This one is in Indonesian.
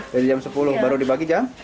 dari jam sepuluh baru dibagi jam